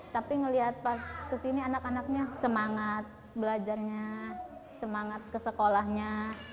tapi ngelihat pas kesini anak anaknya semangat belajarnya semangat ke sekolahnya